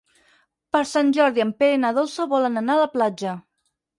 Per Sant Jordi en Pere i na Dolça volen anar a la platja.